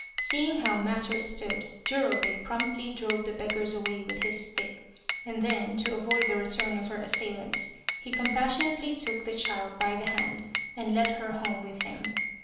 Seeing how matters stood, Jurobei promptly drove the beggars away with his stick, and then, to avoid the return of her assailants, he compassionately took the child by the hand and led her home with him.